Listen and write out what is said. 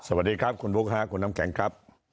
สวัสดีครับคุณบุ๊คคุณน้ำแข็งครับ